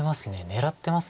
狙ってます